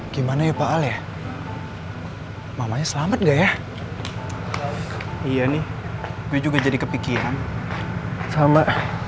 gimana ya pak al ya mamanya selamat enggak ya iya nih gue juga jadi kepikiran sama